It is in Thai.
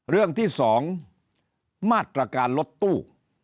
เรื่องที่๒มาตรการรถตู้